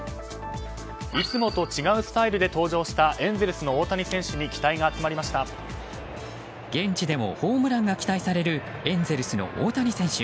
いつもと違うスタイルで登場したエンゼルスの大谷選手に現地でもホームランが期待されるエンゼルスの大谷選手。